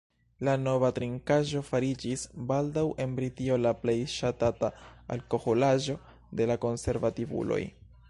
La nova trinkaĵo fariĝis baldaŭ en Britio la plej ŝatata alkoholaĵo de la konservativuloj.